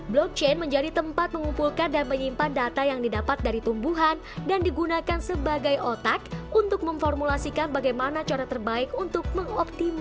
blockchain menjadi tempat mengumpulkan dan menyimpan data yang didapat dari tumbuhan dan digunakan sebagai otak untuk memformulasikan bagaimana cara terbaik untuk mengoptimalkan